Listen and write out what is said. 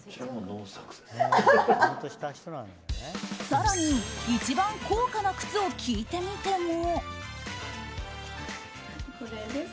更に一番高価な靴を聞いてみても。